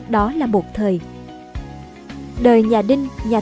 đó là một thời